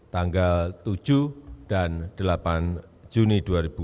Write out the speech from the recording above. tanggal tujuh dan delapan juni dua ribu dua puluh